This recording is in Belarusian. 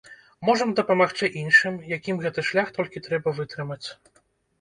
Можам дапамагчы іншым, якім гэты шлях толькі трэба вытрымаць.